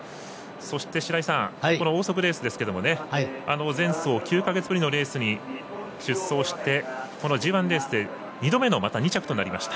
そして、白井さんオーソクレースですけれど前走９か月ぶりのレースに出走してこのＧＩレースで２度目の２着となりました。